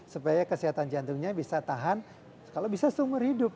supaya kesehatan jantungnya bisa tahan kalau bisa seumur hidup